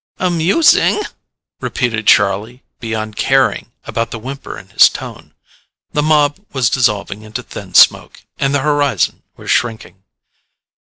"Amusing?" repeated Charlie, beyond caring about the whimper in his tone. The mob was dissolving into thin smoke, and the horizon was shrinking.